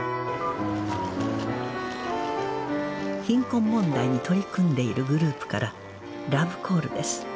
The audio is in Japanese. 貧困問題に取り組んでいるグループからラブコールです